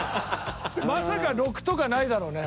まさか６とかないだろうね？